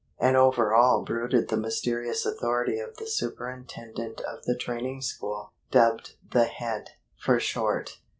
And over all brooded the mysterious authority of the superintendent of the training school, dubbed the Head, for short.